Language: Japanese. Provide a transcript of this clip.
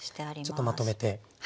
ちょっとまとめて。